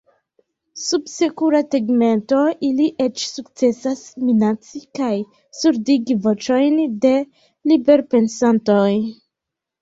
Sub sekura tegmento ili eĉ sukcesas minaci kaj surdigi voĉojn de liberpensantoj.